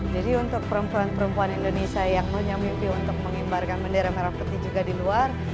jadi untuk perempuan perempuan indonesia yang punya mimpi untuk mengimbarkan bendera merah putih juga di luar